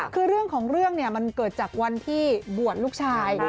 คือเรื่องของเรื่องเนี่ยมันเกิดจากวันที่บวชลูกชาย